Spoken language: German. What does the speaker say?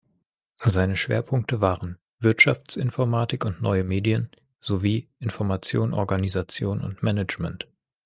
Seine Schwerpunkte waren "Wirtschaftsinformatik und Neue Medien" sowie "Information, Organisation und Management".